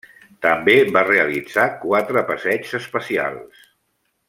També va realitzar quatre passeigs espacials.